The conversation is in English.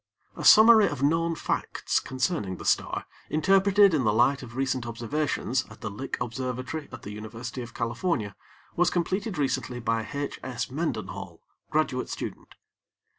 A summary of known facts concerning the star, interpreted in the light of recent observations at the Lick Observatory at the University of California was completed recently by H. S. Mendenhall, graduate student.